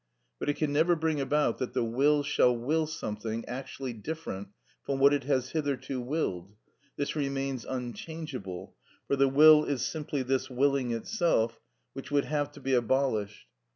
But it can never bring about that the will shall will something actually different from what it has hitherto willed; this remains unchangeable, for the will is simply this willing itself, which would have to be abolished.